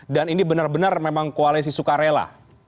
ini benar benar memang koalisi sukarela